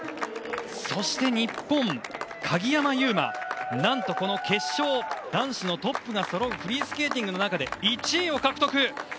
そして日本の鍵山優真何とこの決勝男子のトップがそろうフリースケーティングの中で１位を獲得。